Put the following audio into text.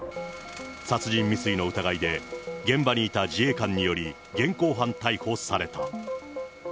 殺人未遂の疑いで、現場にいた自衛官により現行犯逮捕された。